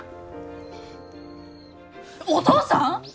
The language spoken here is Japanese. お父さん！？